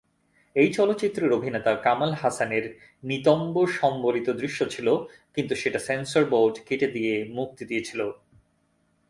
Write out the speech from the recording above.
এই চলচ্চিত্রে অভিনেতা কামাল হাসানের নিতম্ব সংবলিত দৃশ্য ছিলো কিন্তু সেটা সেন্সর বোর্ড কেটে দিয়ে মুক্তি দিয়েছিলো।